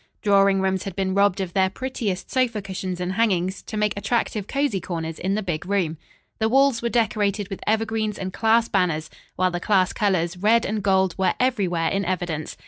Drawing rooms had been robbed of their prettiest sofa cushions and hangings, to make attractive cosy corners in the big room. The walls were decorated with evergreens and class banners, while the class colors, red and gold, were everywhere in evidence.